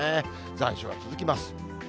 残暑が続きます。